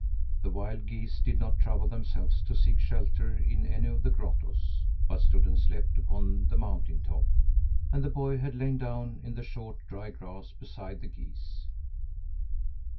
The wild geese did not trouble themselves to seek shelter in any of the grottoes, but stood and slept upon the mountain top; and the boy had lain down in the short, dry grass beside the geese.